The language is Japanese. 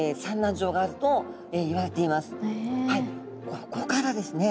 ここからですね